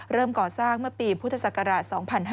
ก่อสร้างเมื่อปีพุทธศักราช๒๕๕๙